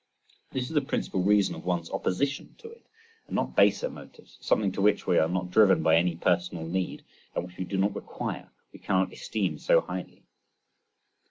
This is the principal reason of one's opposition to it, and not baser motives; something to which we are not driven by any personal need, and which we do not require, we cannot esteem so highly.